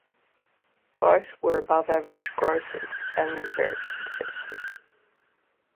Both were above-average grossers and very successful.